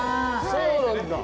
そうなんだ。